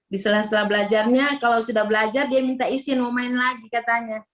di setelah setelah belajarnya kalau sudah belajar dia minta isin mau main lagi katanya